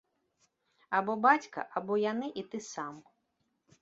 Або бацька, або яны і ты сам.